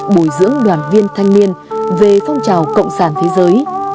bồi dưỡng đoàn viên thanh niên về phong trào cộng sản thế giới